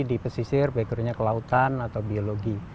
di pesisir backgroundnya kelautan atau biologi